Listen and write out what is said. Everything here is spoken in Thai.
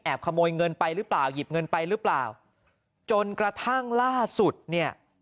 ขโมยเงินไปหรือเปล่าหยิบเงินไปหรือเปล่าจนกระทั่งล่าสุดเนี่ย